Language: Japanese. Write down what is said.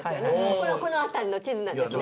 これがこの辺りの地図なんですね。